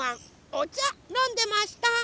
おちゃのんでました。